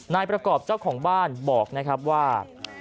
นายประกอบเจ้าของบ้านบอกนะครับว่า